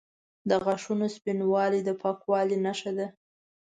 د غاښونو سپینوالی د پاکوالي نښه ده.